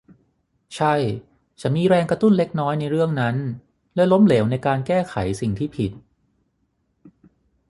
ใช่ฉันมีแรงกระตุ้นเล็กน้อยในเรื่องนั้นและล้มเหลวในการแก้ไขสิ่งที่ผิด